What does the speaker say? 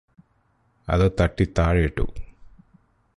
അത് തട്ടി താഴെയിട്ടു